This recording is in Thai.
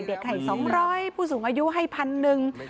เด็กไห่๒๐๐ผู้สูงอายุให้๑๐๐๐นิดหนึ่ง